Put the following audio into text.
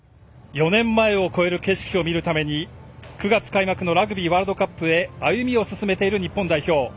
４年前を超える景色を見るために９月開幕のワールドカップへ歩みを進めている日本代表。